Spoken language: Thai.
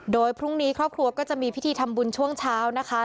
โดยพรุ่งนี้ครอบครัวก็จะมีพิธีทำบุญช่วงเช้านะคะ